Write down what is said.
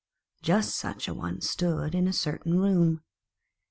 Just such a one stood in a certain room.